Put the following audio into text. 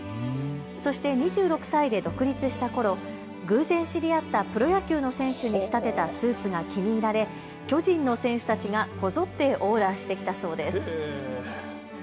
そして２６歳で独立したころ、偶然知り合ったプロ野球の選手に仕立てたスーツが気に入られ巨人の選手たちがこぞってオーダーしてきたそうです。